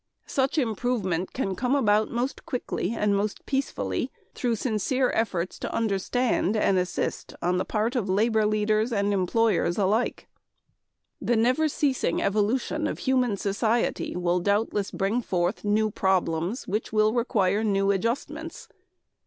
Such improvement can come about most quickly and most peacefully through sincere efforts to understand and assist on the part of labor leaders and employers alike. "The never ceasing evolution of human society will doubtless bring forth new problems which will require new adjustments.